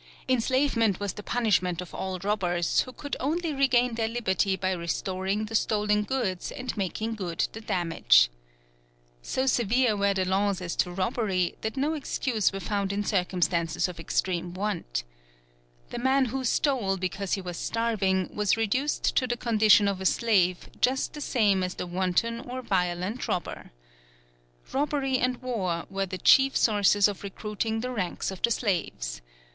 Enslavement was the punishment of all robbers, who could only regain their liberty by restoring the stolen goods and making good the damage. So severe were the laws as to robbery that no excuse was found in circumstances of extreme want. The man who stole because he was starving was reduced to the condition of a slave just the same as the wanton or violent robber. Robbery and war were the chief sources of recruiting the ranks of the slaves.